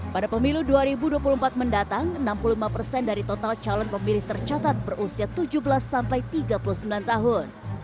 pada pemilu dua ribu dua puluh empat mendatang enam puluh lima persen dari total calon pemilih tercatat berusia tujuh belas sampai tiga puluh sembilan tahun